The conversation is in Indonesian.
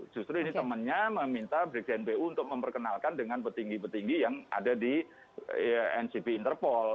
justru ini temannya meminta brigjen pu untuk memperkenalkan dengan petinggi petinggi yang ada di ncb interpol